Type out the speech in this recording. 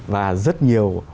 và rất nhiều